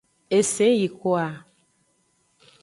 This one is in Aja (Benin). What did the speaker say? Eseyingkoa.